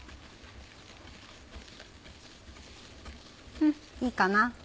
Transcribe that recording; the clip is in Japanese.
うんいいかな。